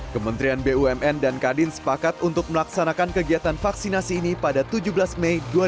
kementerian bumn dan kadin sepakat untuk melaksanakan kegiatan vaksinasi ini pada tujuh belas mei dua ribu dua puluh